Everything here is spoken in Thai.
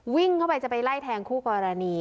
วิ่งเข้าไปจะไปไล่แทงคู่กรณี